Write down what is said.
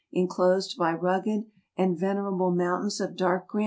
enclosed by rugged and venerable mountains of dark granite.